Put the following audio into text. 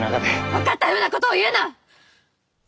分かったふうなことを言うな！